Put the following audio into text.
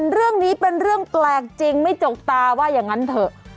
เรื่องนี้เป็นเรื่องแปลกจริงไม่จกตาว่าอย่างนั้นเถอะ